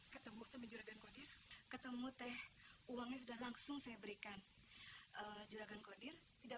ketemu sama juragan kodir ketemu teh uangnya sudah langsung saya berikan juragan kodir tidak